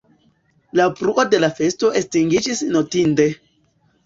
La bruo de la festo estingiĝis notinde.